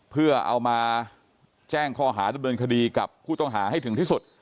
เพื่อเอามาแจ้งข้อหาดำเนินคดีกับผู้ต้องหาให้ถึงที่สุด